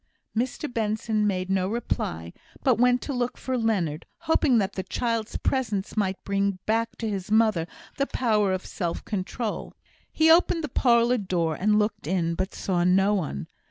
Mr Benson made no reply, but went to look for Leonard, hoping that the child's presence might bring back to his mother the power of self control. He opened the parlour door, and looked in, but saw no one.